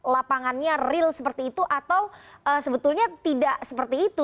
lapangannya real seperti itu atau sebetulnya tidak seperti itu